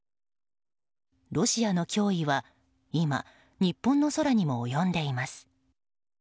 ロシアの脅威は今、日本の空にも及んでいます。